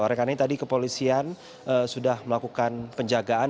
karena ini tadi kepolisian sudah melakukan penjagaan